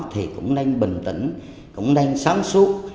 thì cũng nên bình tĩnh cũng nên sáng suốt